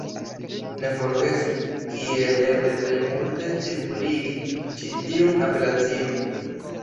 Ne forgesu kiel eble plej multe cirkuligi ĉi tiun apelacion!